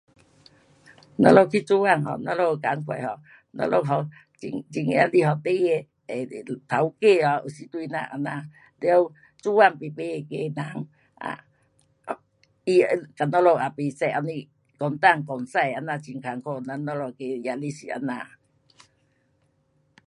咱们去做工 um 咱们困苦，咱们很压力 um 孩儿的 taukei[um] 有时对咱这样。完，做工排排那个人，啊，他会跟咱们也不熟，后面讲东讲西这样很困苦，咱们那个压力是这样。